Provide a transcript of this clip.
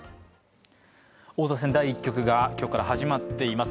王座戦第１局が今日から始まっています。